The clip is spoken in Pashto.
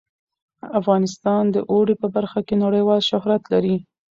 افغانستان د اوړي په برخه کې نړیوال شهرت لري.